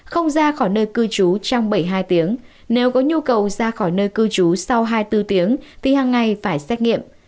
không ra khỏi nơi cư trú trong bảy mươi hai tiếng nếu có nhu cầu ra khỏi nơi cư trú sau hai mươi bốn tiếng thì hàng ngày phải xét nghiệm